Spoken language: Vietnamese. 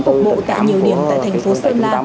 cục bộ tại nhiều điểm tại thành phố sơn la